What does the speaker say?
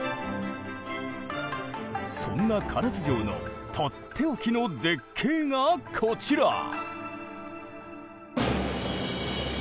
そんな唐津城のとっておきの絶景がこちら。